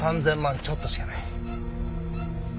ちょっとしかない。